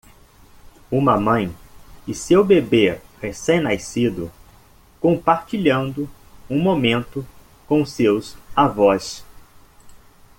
Uma mãe e seu bebê recém-nascido compartilhando um momento com seus avós.